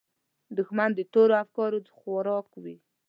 دښمن د تورو افکارو خوراک وي